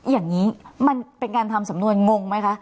อย่างนี้มันเป็นการทำสำนวนงงไหมคะ